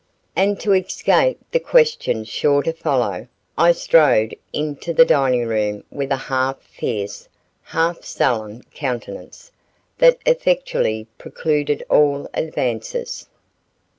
And to escape the questions sure to follow, I strode into the dining room with a half fierce, half sullen countenance, that effectually precluded all advances.